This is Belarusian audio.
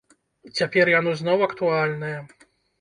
Цяпер яно зноў актуальнае.